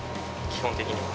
基本的には。